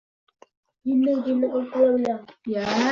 ya’ni, kelinni boshga chiqarib olma.